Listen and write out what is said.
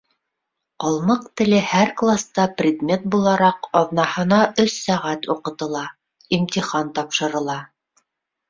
— Ҡалмыҡ теле һәр класта предмет булараҡ аҙнаһына өс сәғәт уҡытыла, имтихан тапшырыла.